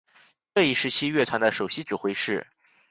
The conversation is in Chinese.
这一时期乐团的首席指挥是。